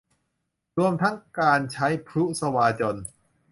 รวมทั้งการใช้พรุสวาจน